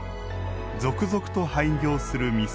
続々と廃業する店。